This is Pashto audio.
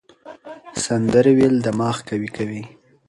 سندرې ویل دماغ قوي کوي.